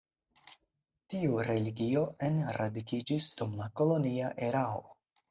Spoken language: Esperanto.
Tiu religio enradikiĝis dum la kolonia erao.